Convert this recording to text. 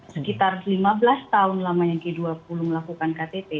sekitar lima belas tahun lamanya g dua puluh melakukan ktt